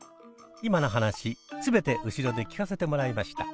今の話すべて後ろで聞かせてもらいました。